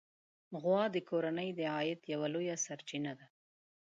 غوا د کورنۍ د عاید یوه لویه سرچینه ده.